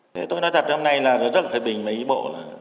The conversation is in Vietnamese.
thế tôi nói thật hôm nay là rất là phải bình với ý bộ